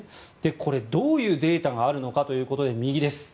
これ、どういうデータがあるのかということで右です。